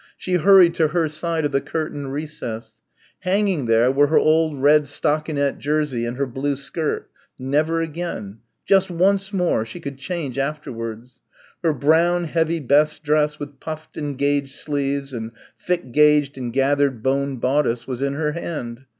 She hurried to her side of the curtained recess. Hanging there were her old red stockinette jersey and her blue skirt ... never again ... just once more ... she could change afterwards. Her brown, heavy best dress with puffed and gauged sleeves and thick gauged and gathered boned bodice was in her hand.